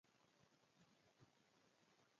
دې کار ته عقلانیت ویل کېږي.